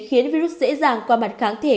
khiến virus dễ dàng qua mặt kháng thể